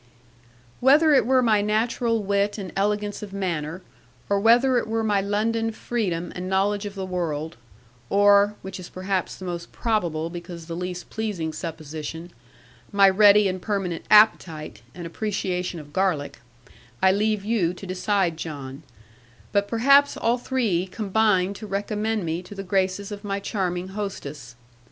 'Whether it were my natural wit and elegance of manner; or whether it were my London freedom and knowledge of the world; or (which is perhaps the most probable, because the least pleasing supposition) my ready and permanent appetite, and appreciation of garlic I leave you to decide, John: but perhaps all three combined to recommend me to the graces of my charming hostess.